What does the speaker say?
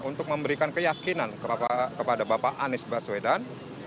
untuk memberikan kekuatan untuk memberikan keyakinan kepada bapak anies baswedan